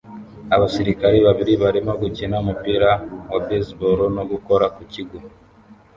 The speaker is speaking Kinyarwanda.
Abasirikare babiri barimo gukina umupira wa baseball no gukora ku kigo